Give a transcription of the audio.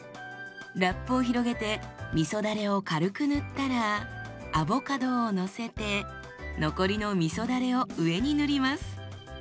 ラップを広げてみそだれを軽く塗ったらアボカドをのせて残りのみそだれを上に塗ります。